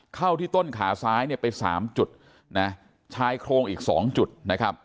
เข้าที่ต้นขาซ้ายเนี่ยไปสามจุดนะชายโครงอีก๒จุดนะครับ